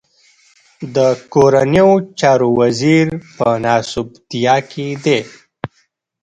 د کورنيو چارو وزير په ناسوبتيا کې دی.